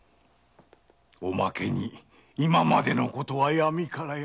おまけに今までのことは闇から闇。